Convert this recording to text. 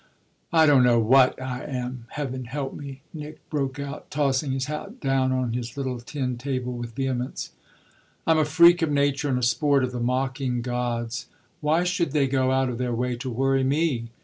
"I don't know what I am heaven help me!" Nick broke out, tossing his hat down on his little tin table with vehemence. "I'm a freak of nature and a sport of the mocking gods. Why should they go out of their way to worry me?